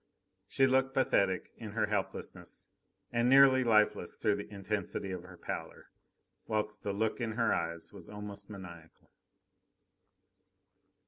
She looked pathetic in her helplessness, and nearly lifeless through the intensity of her pallor, whilst the look in her eyes was almost maniacal.